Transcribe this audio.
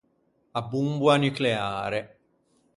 A bomboa nucleare.